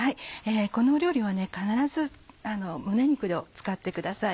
この料理は必ず胸肉を使ってください。